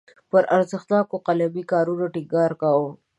پر ارزښتناکو قلمي کارونو ټینګار کاوه.